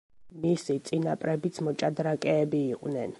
მისი წინაპრებიც მოჭადრაკეები იყვნენ.